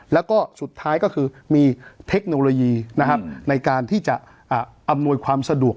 แล้วก็สุดท้ายก็คือมีเทคโนโลยีในการที่จะอำนวยความสะดวก